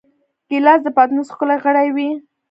ګیلاس د پتنوس ښکلی غړی وي.